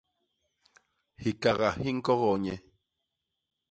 Hikaga hi ñkogoo nye.